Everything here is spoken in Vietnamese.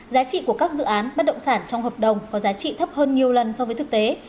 giá trị của các dự án bất động sản trong hợp đồng có giá trị thấp hơn nhiều lần so với thực tế